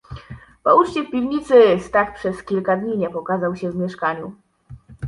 "Po uczcie w piwnicy, Stach przez kilka dni nie pokazał się w mieszkaniu."